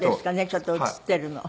ちょっと写っているの。